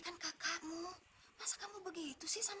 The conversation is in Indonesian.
kak kamu itu baru bangun